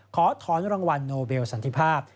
ขอถอนรางวัลโนเบลสันติภาพ